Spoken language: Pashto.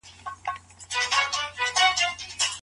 آيا انسان په سپکاوي کي ګډ ژوند تېرولای سي؟